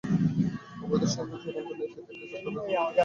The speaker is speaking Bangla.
অবৈধ সংযোগ প্রদান করে তাঁর নেতৃত্বে একটি চক্র বিপুল অর্থ হাতিয়ে নেয়।